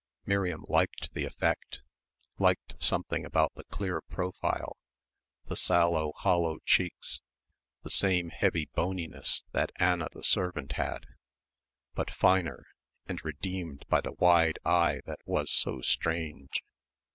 Miriam liked the effect, liked something about the clear profile, the sallow, hollow cheeks, the same heavy bonyness that Anna the servant had, but finer and redeemed by the wide eye that was so strange.